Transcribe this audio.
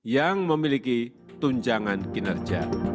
yang memiliki tunjangan kinerja